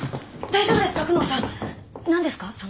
大丈夫ですか？